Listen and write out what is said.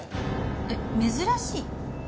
えっ珍しい？